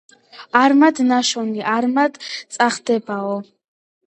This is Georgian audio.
არმად ნაშოვნი - არმად წახდებაო